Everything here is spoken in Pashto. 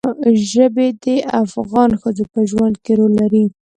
ژبې د افغان ښځو په ژوند کې رول لري.